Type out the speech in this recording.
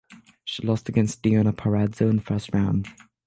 She lost against Deonna Purrazzo in the first round.